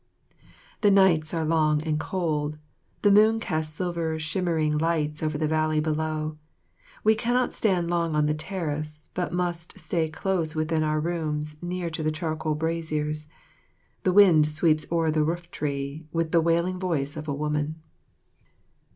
The nights are long and cold. The moon casts silver shimmering lights over the valley below. We cannot stand long on the terrace but must stay close within our rooms near to the charcoal braziers. The wind sweeps o'er the rooftree with the wailing voice of a woman.